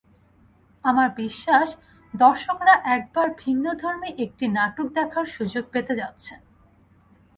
আমার বিশ্বাস, দর্শকরা একেবারে ভিন্নধর্মী একটি নাটক দেখার সুযোগ পেতে যাচ্ছেন।